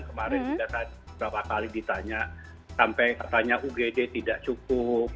kemarin juga saya beberapa kali ditanya sampai katanya ugd tidak cukup